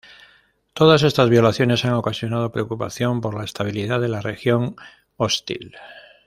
Todas estas violaciones han ocasionado preocupación por la estabilidad de la región hostil.